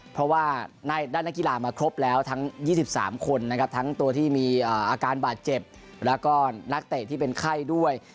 เพราะว่าได้นักกีฬามาครบแล้วทั้ง๒๓คนนะครับทั้งตัวที่มีอาการบาดเจ็บแล้วก็นักเตะที่เป็นไข้ด้วย